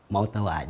mau tahu aja